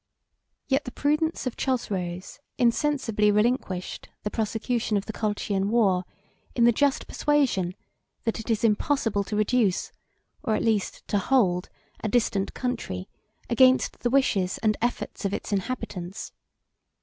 86 Yet the prudence of Chosroes insensibly relinquished the prosecution of the Colchian war, in the just persuasion, that it is impossible to reduce, or, at least, to hold a distant country against the wishes and efforts of its inhabitants.